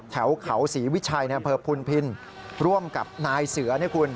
แถวเขาศรีวิชัยเนพพลพินร่วมกับนายเสือ